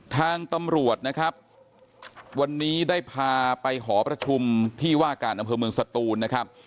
ทางตำรวจนะครับวันนี้ได้พาไปหอประชุมที่ว่าการอำเภอเมืองสตูนนะครับ